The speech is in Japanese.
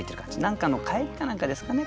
何かの帰りか何かですかね